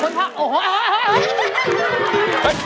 คุณภาพโอ้โห